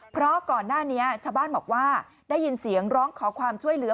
เพราะก่อนหน้านี้ชาวบ้านบอกว่าได้ยินเสียงร้องขอความช่วยเหลือ